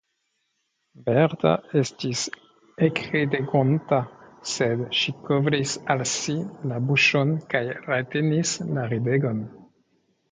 Berta estis ekridegonta, sed ŝi kovris al si la buŝon kaj retenis la ridegon.